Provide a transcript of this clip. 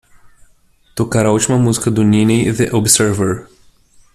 tocar a última música do Niney The Observer